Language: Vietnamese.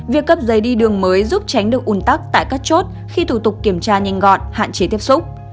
việc cấp giấy đi đường mới giúp tránh được un tắc tại các chốt khi thủ tục kiểm tra nhanh gọn hạn chế tiếp xúc